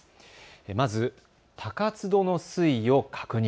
まず高津戸の水位を確認。